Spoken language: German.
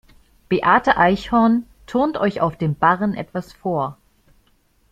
Beate Eichhorn turnt euch auf dem Barren etwas vor.